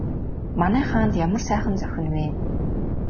Манай хаанд ямар сайхан зохино вэ?